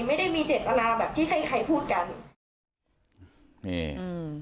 ไม่ได้มีเจ็บตนาแบบที่ให้ใครพูดกัน